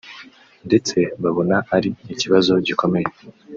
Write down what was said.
ndetse babona ari ikibazo gikomeye